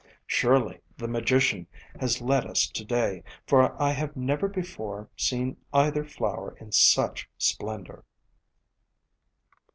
Surely the Magician has led us to day, for I have never before seen either flower in such splendor."